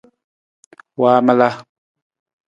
Waamala.